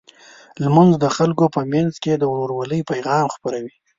لمونځ د خلکو په منځ کې د ورورولۍ پیغام خپروي.